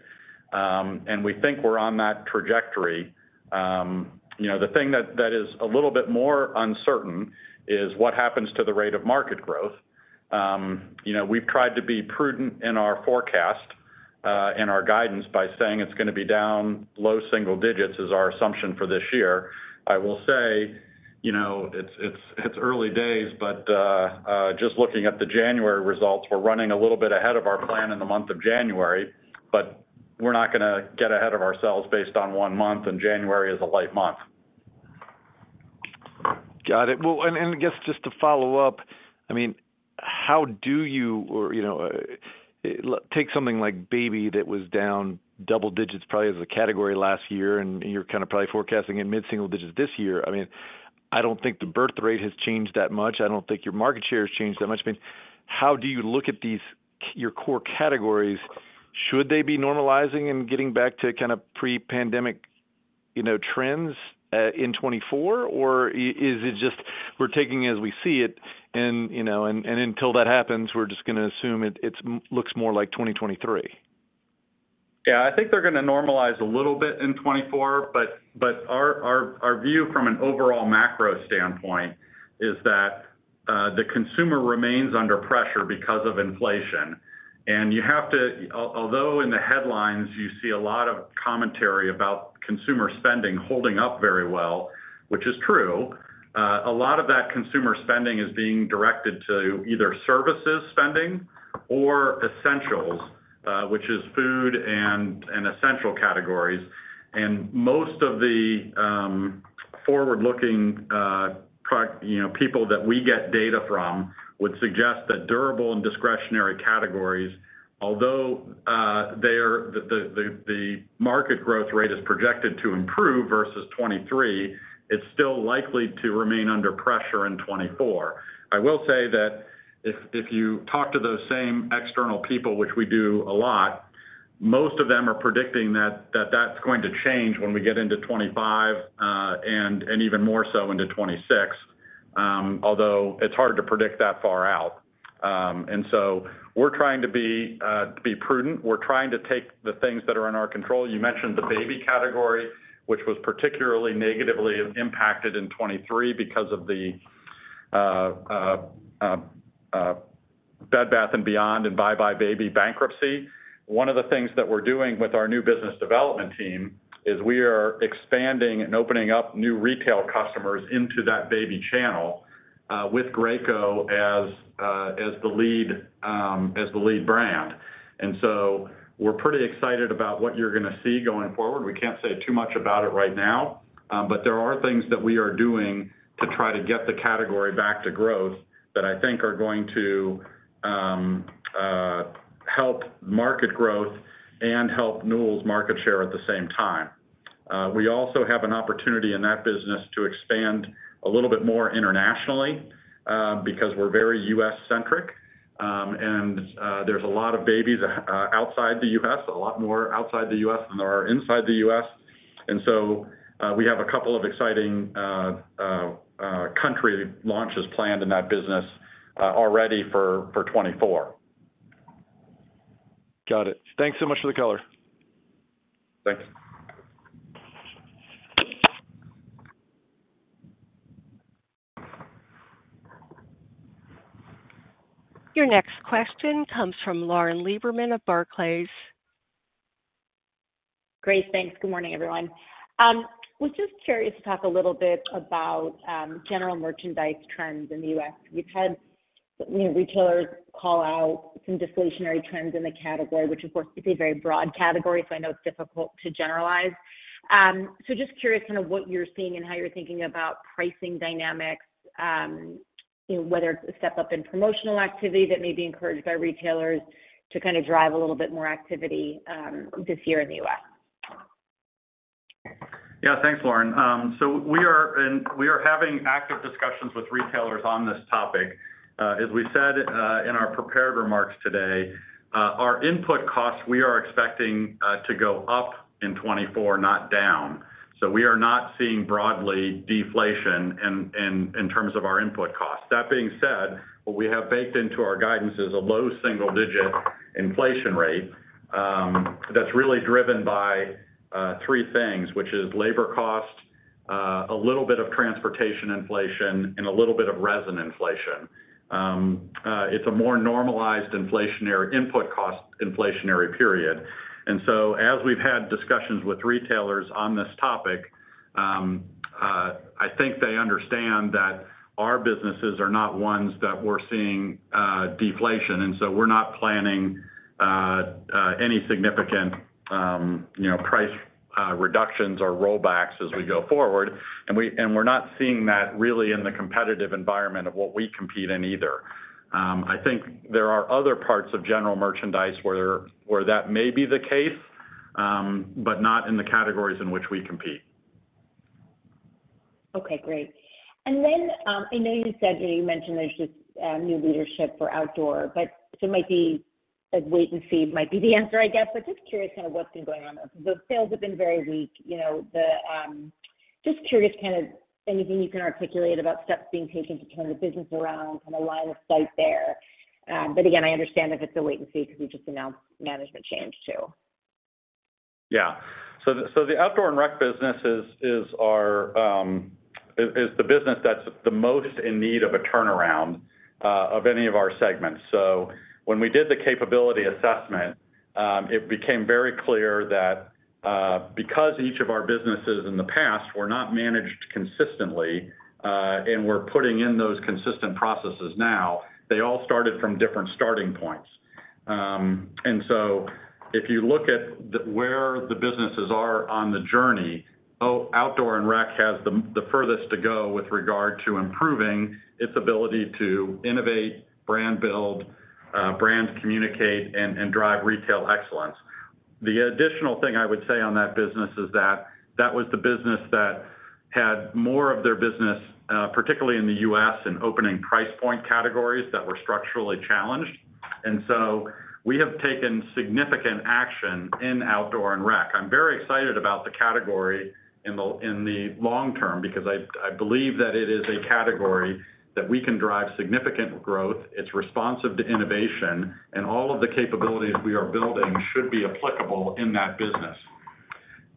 We think we're on that trajectory. The thing that is a little bit more uncertain is what happens to the rate of market growth. We've tried to be prudent in our forecast, in our guidance, by saying it's going to be down low single digits, is our assumption for this year. I will say it's early days, but just looking at the January results, we're running a little bit ahead of our plan in the month of January, but we're not going to get ahead of ourselves based on one month, and January is a light month. Got it. Well, and I guess just to follow up, I mean, how do you take something like baby that was down double digits probably as a category last year, and you're kind of probably forecasting it mid-single digits this year? I mean, I don't think the birth rate has changed that much. I don't think your market share has changed that much. I mean, how do you look at your core categories? Should they be normalizing and getting back to kind of pre-pandemic trends in 2024, or is it just we're taking it as we see it, and until that happens, we're just going to assume it looks more like 2023? Yeah. I think they're going to normalize a little bit in 2024, but our view from an overall macro standpoint is that the consumer remains under pressure because of inflation. And you have to although in the headlines, you see a lot of commentary about consumer spending holding up very well, which is true, a lot of that consumer spending is being directed to either services spending or essentials, which is food and essential categories. And most of the forward-looking people that we get data from would suggest that durable and discretionary categories, although the market growth rate is projected to improve versus 2023, it's still likely to remain under pressure in 2024. I will say that if you talk to those same external people, which we do a lot, most of them are predicting that that's going to change when we get into 2025 and even more so into 2026, although it's hard to predict that far out. And so we're trying to be prudent. We're trying to take the things that are in our control. You mentioned the baby category, which was particularly negatively impacted in 2023 because of the Bed Bath & Beyond and buybuy BABY bankruptcy. One of the things that we're doing with our new business development team is we are expanding and opening up new retail customers into that baby channel with Graco as the lead brand. And so we're pretty excited about what you're going to see going forward. We can't say too much about it right now, but there are things that we are doing to try to get the category back to growth that I think are going to help market growth and help Newell's market share at the same time. We also have an opportunity in that business to expand a little bit more internationally because we're very U.S.-centric, and there's a lot of babies outside the U.S., a lot more outside the U.S. than there are inside the U.S. And so we have a couple of exciting country launches planned in that business already for 2024. Got it. Thanks so much for the color. Thanks. Your next question comes from Lauren Lieberman of Barclays. Great. Thanks. Good morning, everyone. We're just curious to talk a little bit about general merchandise trends in the U.S. We've had retailers call out some deflationary trends in the category, which, of course, it's a very broad category, so I know it's difficult to generalize. So just curious kind of what you're seeing and how you're thinking about pricing dynamics, whether it's a step up in promotional activity that may be encouraged by retailers to kind of drive a little bit more activity this year in the U.S.? Yeah. Thanks, Lauren. So we are having active discussions with retailers on this topic. As we said in our prepared remarks today, our input costs, we are expecting to go up in 2024, not down. So we are not seeing broadly deflation in terms of our input costs. That being said, what we have baked into our guidance is a low single-digit inflation rate that's really driven by three things, which is labor cost, a little bit of transportation inflation, and a little bit of resin inflation. It's a more normalized inflationary input cost inflationary period. And so as we've had discussions with retailers on this topic, I think they understand that our businesses are not ones that we're seeing deflation. And so we're not planning any significant price reductions or rollbacks as we go forward, and we're not seeing that really in the competitive environment of what we compete in either. I think there are other parts of general merchandise where that may be the case, but not in the categories in which we compete. Okay. Great. And then I know you said you mentioned there's just new leadership for outdoor, but so might be wait and see might be the answer, I guess. But just curious kind of what's been going on there. The sales have been very weak. Just curious kind of anything you can articulate about steps being taken to turn the business around, kind of line of sight there. But again, I understand if it's a wait and see because we just announced management change too. Yeah. So the outdoor and rec business is the business that's the most in need of a turnaround of any of our segments. So when we did the capability assessment, it became very clear that because each of our businesses in the past were not managed consistently and we're putting in those consistent processes now, they all started from different starting points. And so if you look at where the businesses are on the journey, oh, outdoor and rec has the furthest to go with regard to improving its ability to innovate, brand build, brand communicate, and drive retail excellence. The additional thing I would say on that business is that that was the business that had more of their business, particularly in the U.S., in opening price point categories that were structurally challenged. And so we have taken significant action in outdoor and rec. I'm very excited about the category in the long term because I believe that it is a category that we can drive significant growth. It's responsive to innovation, and all of the capabilities we are building should be applicable in that business.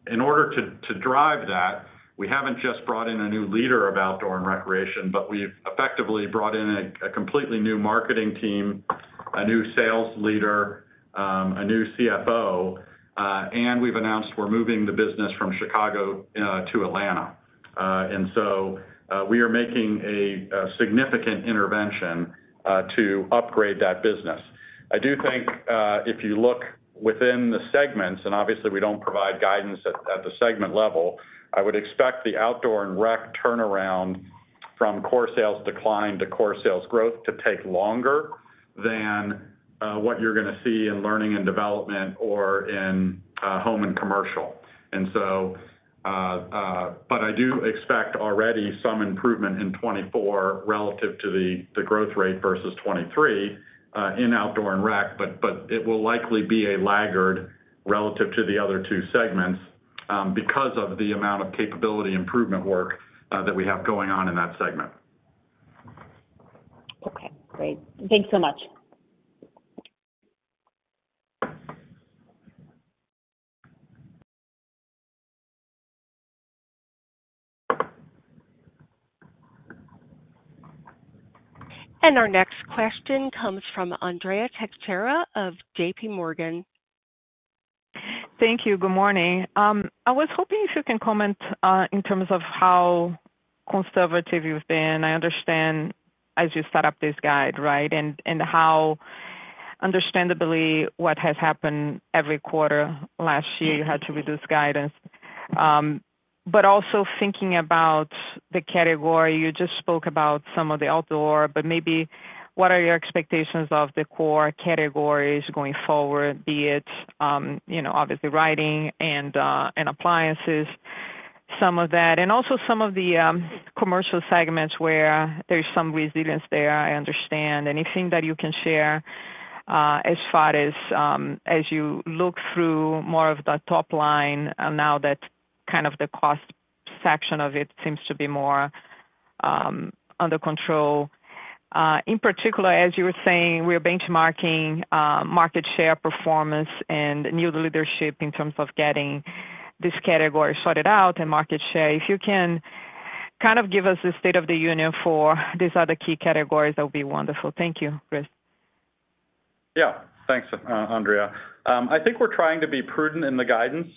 In order to drive that, we haven't just brought in a new leader of outdoor and recreation, but we've effectively brought in a completely new marketing team, a new sales leader, a new CFO, and we've announced we're moving the business from Chicago to Atlanta. And so we are making a significant intervention to upgrade that business. I do think if you look within the segments, and obviously, we don't provide guidance at the segment level, I would expect the outdoor and rec turnaround from core sales decline to core sales growth to take longer than what you're going to see in learning and development or in home and commercial. But I do expect already some improvement in 2024 relative to the growth rate versus 2023 in outdoor and rec, but it will likely be a laggard relative to the other two segments because of the amount of capability improvement work that we have going on in that segment. Okay. Great. Thanks so much. Our next question comes from Andrea Teixeira of JPMorgan. Thank you. Good morning. I was hoping if you can comment in terms of how conservative you've been. I understand as you set up this guide, right, and how understandably what has happened every quarter last year, you had to reduce guidance. But also thinking about the category, you just spoke about some of the outdoor, but maybe what are your expectations of the core categories going forward, be it obviously writing and appliances, some of that, and also some of the commercial segments where there's some resilience there, I understand. Anything that you can share as far as you look through more of the top line now that kind of the cost section of it seems to be more under control. In particular, as you were saying, we're benchmarking market share, performance, and new leadership in terms of getting this category sorted out and market share. If you can kind of give us the state of the union for these other key categories, that would be wonderful. Thank you, Chris. Yeah. Thanks, Andrea. I think we're trying to be prudent in the guidance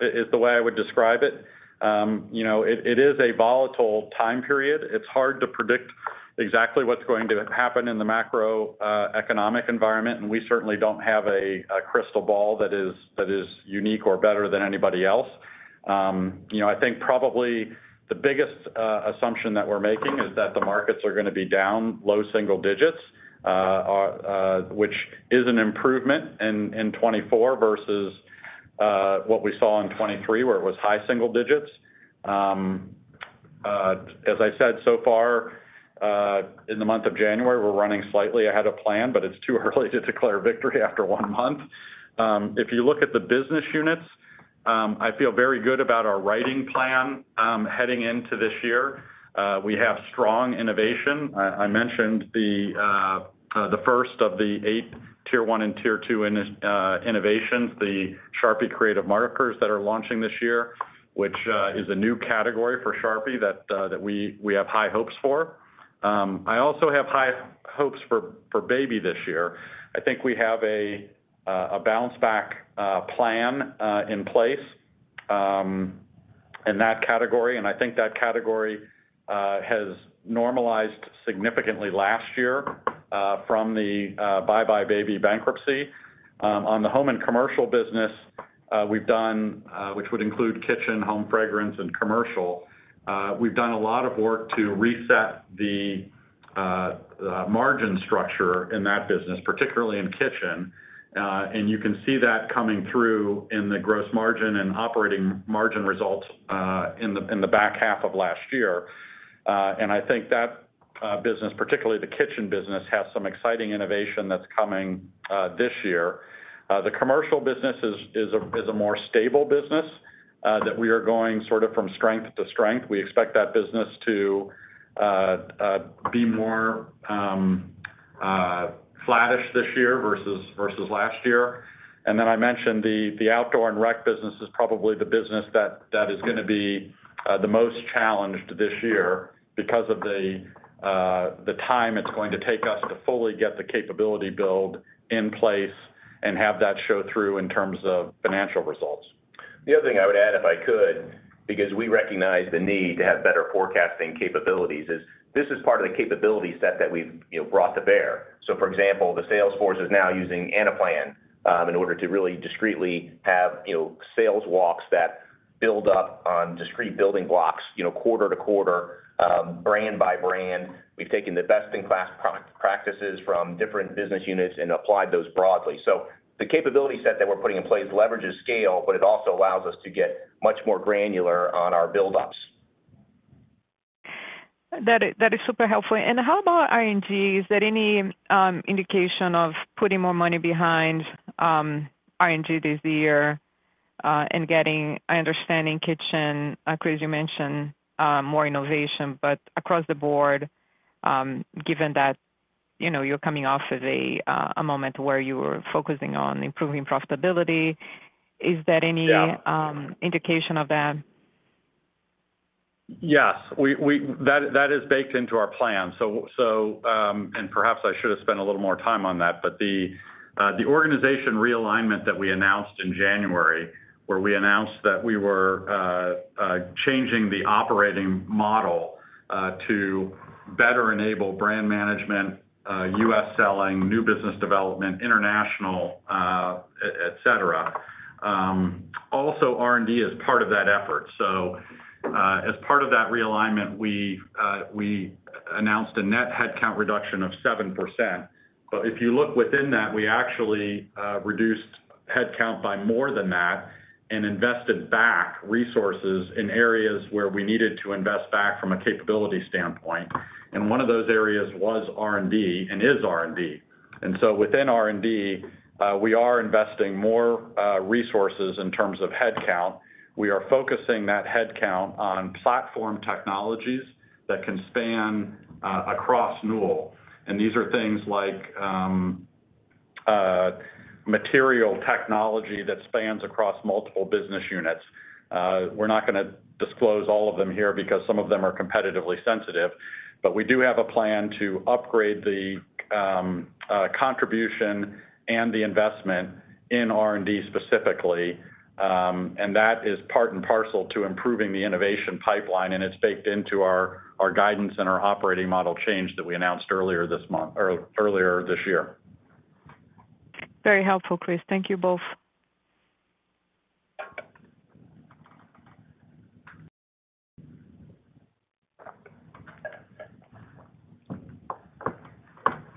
is the way I would describe it. It is a volatile time period. It's hard to predict exactly what's going to happen in the macroeconomic environment, and we certainly don't have a crystal ball that is unique or better than anybody else. I think probably the biggest assumption that we're making is that the markets are going to be down low single digits, which is an improvement in 2024 versus what we saw in 2023 where it was high single digits. As I said, so far in the month of January, we're running slightly ahead of plan, but it's too early to declare victory after one month. If you look at the business units, I feel very good about our writing plan heading into this year. We have strong innovation. I mentioned the first of the eight tier one and tier two innovations, the Sharpie Creative Markers that are launching this year, which is a new category for Sharpie that we have high hopes for. I also have high hopes for baby this year. I think we have a bounce-back plan in place in that category, and I think that category has normalized significantly last year from the buybuy BABY bankruptcy. On the home and commercial business, we've done, which would include kitchen, home fragrance, and commercial, we've done a lot of work to reset the margin structure in that business, particularly in kitchen. And you can see that coming through in the gross margin and operating margin results in the back half of last year. And I think that business, particularly the kitchen business, has some exciting innovation that's coming this year. The commercial business is a more stable business that we are going sort of from strength to strength. We expect that business to be more flatish this year versus last year. And then I mentioned the outdoor and rec business is probably the business that is going to be the most challenged this year because of the time it's going to take us to fully get the capability build in place and have that show through in terms of financial results. The other thing I would add if I could, because we recognize the need to have better forecasting capabilities, is this is part of the capability set that we've brought to bear. So for example, the sales force is now using Anaplan in order to really discretely have sales walks that build up on discrete building blocks quarter to quarter, brand by brand. We've taken the best-in-class practices from different business units and applied those broadly. So the capability set that we're putting in place leverages scale, but it also allows us to get much more granular on our buildups. That is super helpful. How about R&D? Is there any indication of putting more money behind R&D this year and getting, I understand, in kitchen, Chris, you mentioned more innovation, but across the board, given that you're coming off of a moment where you were focusing on improving profitability, is there any indication of that? Yes. That is baked into our plan. Perhaps I should have spent a little more time on that, but the organization realignment that we announced in January, where we announced that we were changing the operating model to better enable brand management, U.S. selling, new business development, international, etc., also R&D is part of that effort. As part of that realignment, we announced a net headcount reduction of 7%. If you look within that, we actually reduced headcount by more than that and invested back resources in areas where we needed to invest back from a capability standpoint. One of those areas was R&D and is R&D. Within R&D, we are investing more resources in terms of headcount. We are focusing that headcount on platform technologies that can span across Newell. These are things like material technology that spans across multiple business units. We're not going to disclose all of them here because some of them are competitively sensitive, but we do have a plan to upgrade the contribution and the investment in R&D specifically. And that is part and parcel to improving the innovation pipeline, and it's baked into our guidance and our operating model change that we announced earlier this year. Very helpful, Chris. Thank you both.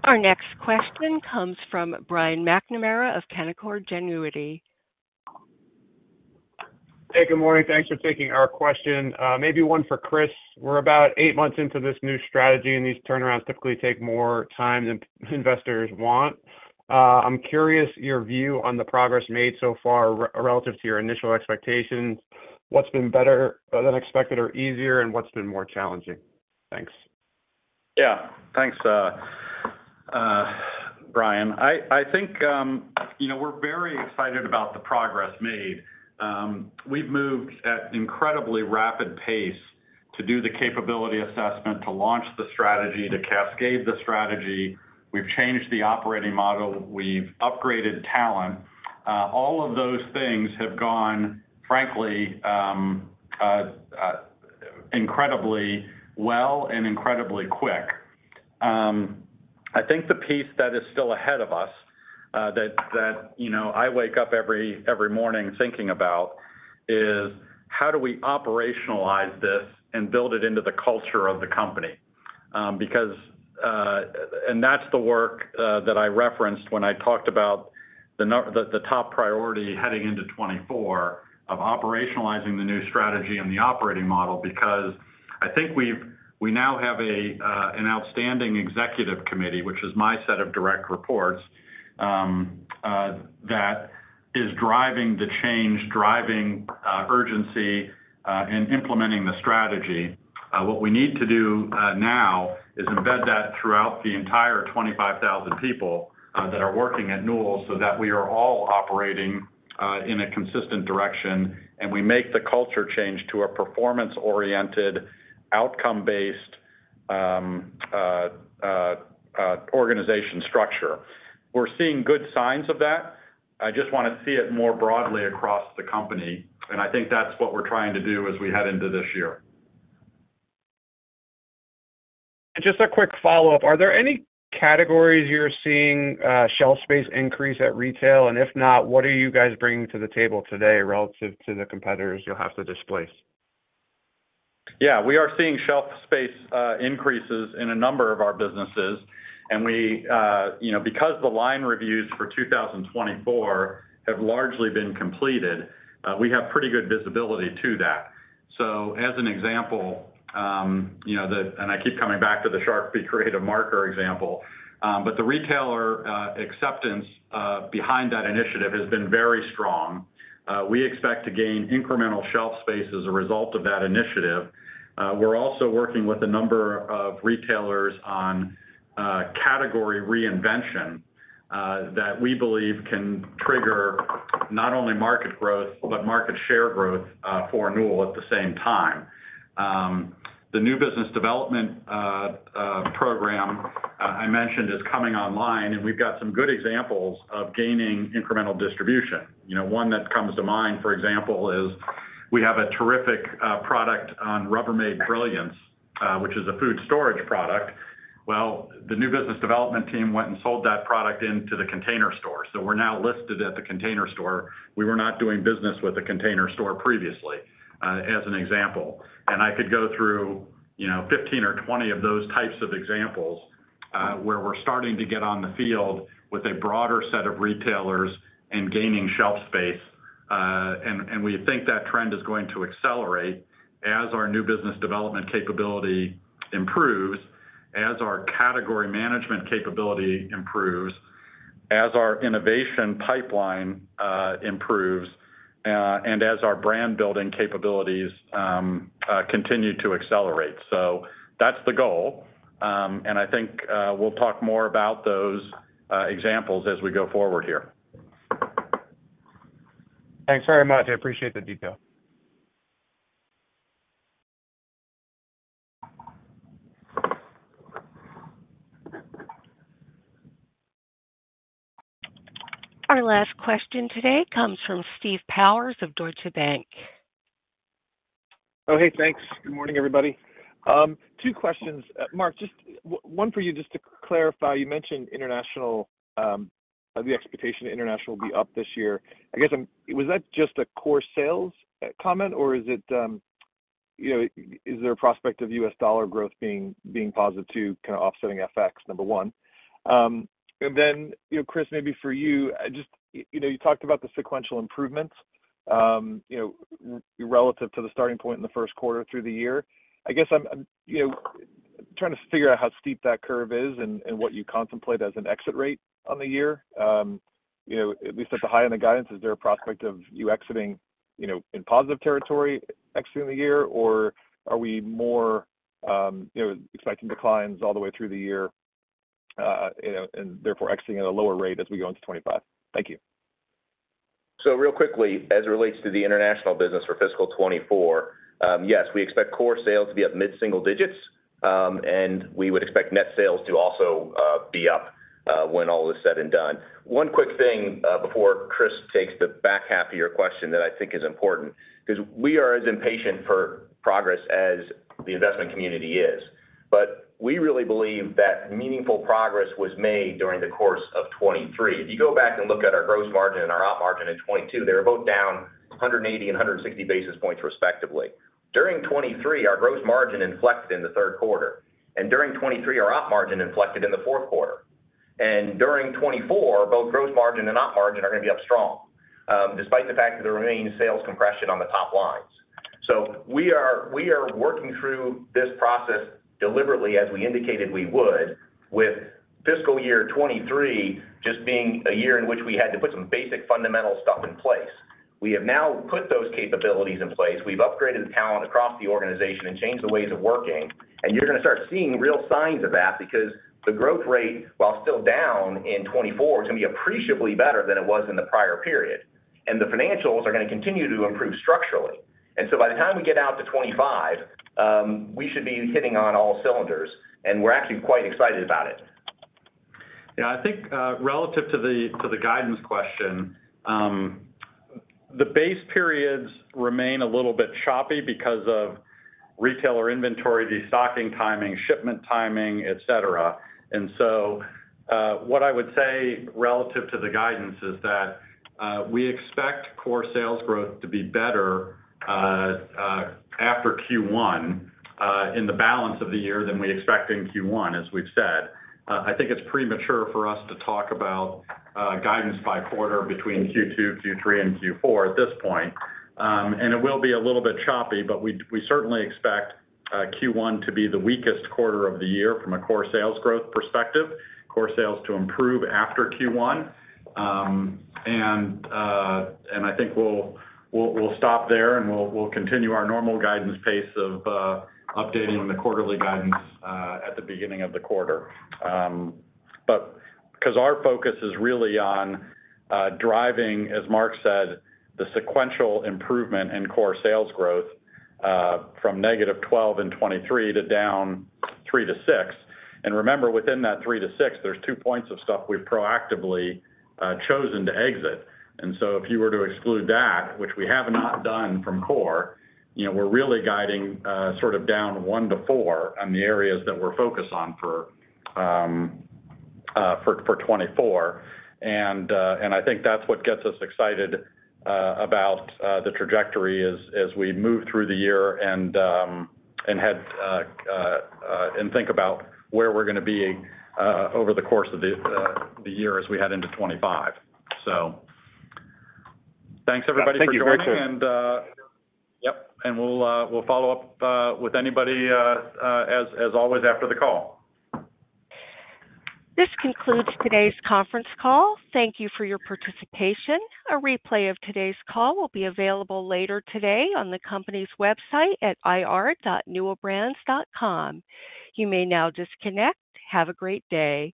Our next question comes from Brian McNamara of Canaccord Genuity. Hey, good morning. Thanks for taking our question. Maybe one for Chris. We're about eight months into this new strategy, and these turnarounds typically take more time than investors want. I'm curious your view on the progress made so far relative to your initial expectations. What's been better than expected or easier, and what's been more challenging? Thanks. Yeah. Thanks, Brian. I think we're very excited about the progress made. We've moved at an incredibly rapid pace to do the capability assessment, to launch the strategy, to cascade the strategy. We've changed the operating model. We've upgraded talent. All of those things have gone, frankly, incredibly well and incredibly quick. I think the piece that is still ahead of us that I wake up every morning thinking about is how do we operationalize this and build it into the culture of the company? And that's the work that I referenced when I talked about the top priority heading into 2024 of operationalizing the new strategy and the operating model because I think we now have an outstanding executive committee, which is my set of direct reports, that is driving the change, driving urgency, and implementing the strategy. What we need to do now is embed that throughout the entire 25,000 people that are working at Newell so that we are all operating in a consistent direction and we make the culture change to a performance-oriented, outcome-based organization structure. We're seeing good signs of that. I just want to see it more broadly across the company. And I think that's what we're trying to do as we head into this year. Just a quick follow-up. Are there any categories you're seeing shelf space increase at retail? If not, what are you guys bringing to the table today relative to the competitors you'll have to displace? Yeah. We are seeing shelf space increases in a number of our businesses. And because the line reviews for 2024 have largely been completed, we have pretty good visibility to that. So as an example, and I keep coming back to the Sharpie Creative Marker example, but the retailer acceptance behind that initiative has been very strong. We expect to gain incremental shelf space as a result of that initiative. We're also working with a number of retailers on category reinvention that we believe can trigger not only market growth but market share growth for Newell at the same time. The new business development program I mentioned is coming online, and we've got some good examples of gaining incremental distribution. One that comes to mind, for example, is we have a terrific product on Rubbermaid Brilliance, which is a food storage product. Well, the new business development team went and sold that product into the Container Store. So we're now listed at the Container Store. We were not doing business with the Container Store previously, as an example. And I could go through 15 or 20 of those types of examples where we're starting to get on the field with a broader set of retailers and gaining shelf space. And we think that trend is going to accelerate as our new business development capability improves, as our category management capability improves, as our innovation pipeline improves, and as our brand-building capabilities continue to accelerate. So that's the goal. And I think we'll talk more about those examples as we go forward here. Thanks very much. I appreciate the detail. Our last question today comes from Steve Powers of Deutsche Bank. Oh, hey. Thanks. Good morning, everybody. Two questions, Mark. One for you, just to clarify. You mentioned the expectation international will be up this year. I guess, was that just a Core Sales comment, or is there a prospect of U.S. dollar growth being positive too kind of offsetting FX, number one? And then, Chris, maybe for you, you talked about the sequential improvements relative to the starting point in the first quarter through the year. I guess I'm trying to figure out how steep that curve is and what you contemplate as an exit rate on the year. At least at the high end of guidance, is there a prospect of you exiting in positive territory exiting the year, or are we more expecting declines all the way through the year and therefore exiting at a lower rate as we go into 2025? Thank you. So real quickly, as it relates to the international business for fiscal 2024, yes, we expect core sales to be up mid-single digits, and we would expect net sales to also be up when all is said and done. One quick thing before Chris takes the back half of your question that I think is important because we are as impatient for progress as the investment community is. But we really believe that meaningful progress was made during the course of 2023. If you go back and look at our gross margin and our op margin in 2022, they were both down 180 and 160 basis points, respectively. During 2023, our gross margin inflected in the third quarter. And during 2023, our op margin inflected in the fourth quarter. During 2024, both gross margin and op margin are going to be up strong despite the fact that there remains sales compression on the top lines. We are working through this process deliberately, as we indicated we would, with fiscal year 2023 just being a year in which we had to put some basic fundamental stuff in place. We have now put those capabilities in place. We've upgraded the talent across the organization and changed the ways of working. You're going to start seeing real signs of that because the growth rate, while still down in 2024, is going to be appreciably better than it was in the prior period. The financials are going to continue to improve structurally. By the time we get out to 2025, we should be hitting on all cylinders. We're actually quite excited about it. Yeah. I think relative to the guidance question, the base periods remain a little bit choppy because of retailer inventory, destocking timing, shipment timing, etc. And so what I would say relative to the guidance is that we expect core sales growth to be better after Q1 in the balance of the year than we expect in Q1, as we've said. I think it's premature for us to talk about guidance by quarter between Q2, Q3, and Q4 at this point. And it will be a little bit choppy, but we certainly expect Q1 to be the weakest quarter of the year from a core sales growth perspective, core sales to improve after Q1. I think we'll stop there, and we'll continue our normal guidance pace of updating the quarterly guidance at the beginning of the quarter because our focus is really on driving, as Mark said, the sequential improvement in core sales growth from -12% in 2023 to down 3%-6%. And remember, within that 3%-6%, there's two points of stuff we've proactively chosen to exit. And so if you were to exclude that, which we have not done from core, we're really guiding sort of down 1%-4% on the areas that we're focused on for 2024. And I think that's what gets us excited about the trajectory as we move through the year and think about where we're going to be over the course of the year as we head into 2025, so. Thanks, everybody, for joining. Thank you, Chris. Yep. And we'll follow up with anybody, as always, after the call. This concludes today's conference call. Thank you for your participation. A replay of today's call will be available later today on the company's website at ir.newellbrands.com. You may now disconnect. Have a great day.